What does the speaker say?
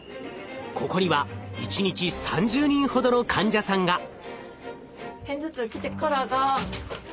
ここには１日３０人ほどの患者さんが。